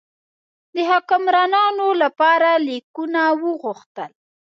د حکمرانانو لپاره لیکونه وغوښتل.